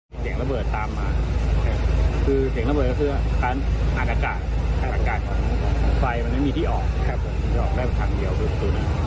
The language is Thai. เสียงระเบิดตามมาคือเสียงระเบิดก็คือการอันอากาศ